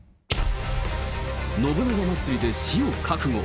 信長まつりで死を覚悟。